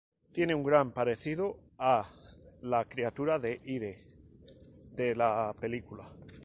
Tiene un gran parecido a la "criatura de Id" de la película.